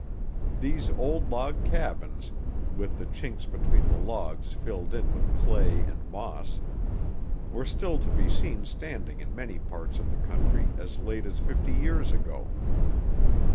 These old log cabins, with the chinks between the logs filled in with clay and moss, were still to be seen standing in many parts of the country as late as fifty years ago.